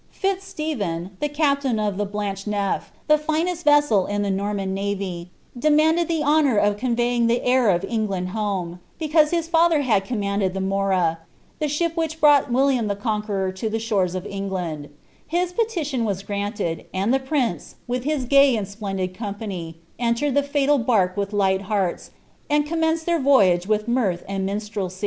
Fiiz Stephen, the captain of the Blanche JV>/"(the finest veswl in tb« Norman navy) demanded the honour of conveying the heir of Engbad home; because his father had commanded the Mora, the ship viluA brought William the Conqueror to the sliores of England, lixa pelilioa was granted; and the prince, with his gay and splendid company, entand Ihe laial bark with light hearts, and commenced their voyage with minb and minstrelay.